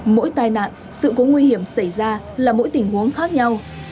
mỗi tai nạn sự cố nguy hiểm xảy ra là mỗi tình huống khác nhau